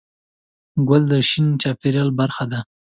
ګل د شین چاپېریال برخه ده.